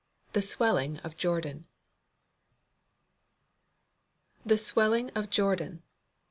THE SWELLING OF JORDAN "The swelling of Jordan."